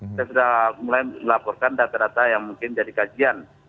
kita sudah mulai melaporkan data data yang mungkin jadi kajian